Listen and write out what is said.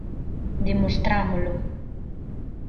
Demostrámolo.